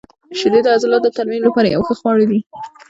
• شیدې د عضلاتو د ترمیم لپاره یو ښه خواړه دي.